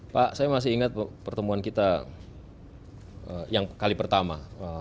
pak saya masih ingat pertemuan kita yang kali pertama